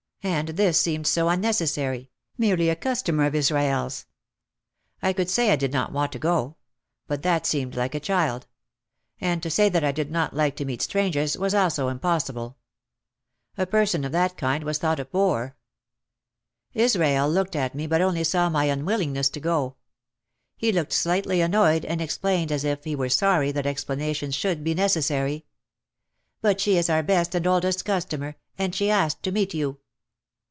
And this seemed so unnecessary, merely a customer of Israel's. I could say I did not want to go. But that seemed like a child. And to say that I did not like to meet strangers was also im possible. A person of that kind was thought a boor. Israel looked at me but only saw my unwillingness to go. He looked slightly annoyed and explained as if he were sorry that explanations should be necessary. "But she is our best and oldest customer, and she asked to meet you."